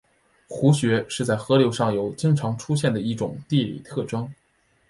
壶穴是在河流上游经常出现的一种地理特征。